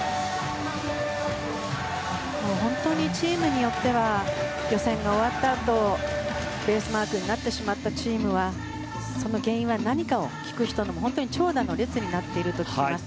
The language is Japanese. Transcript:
本当にチームによっては予選が終わったあとベースマークになってしまったチームはその原因は何かを聞くのにも長蛇の列になっていると聞きます。